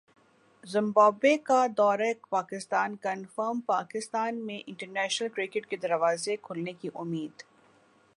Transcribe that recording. Zimbabwe کا دورہ Pakistan confirm Pakistan میں انٹرنیشنل کرکٹ کے دروازے کھلنے کی امید